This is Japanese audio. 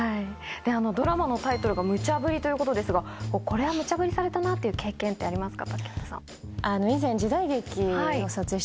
ドラマのタイトルがムチャブリということですがこれはムチャブリされたなっていう経験ありますか？